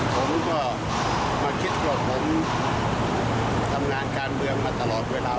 ผมก็มาคิดว่าผมทำงานการเมืองมาตลอดเวลา